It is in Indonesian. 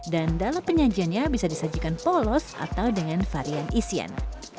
dan dalam penyajiannya bisa disajikan polos atau dengan varian isian